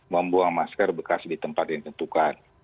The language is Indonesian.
membuang masker bekas di tempat yang ditentukan